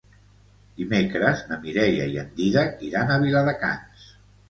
Dimecres na Mireia i en Dídac iran a Viladecans.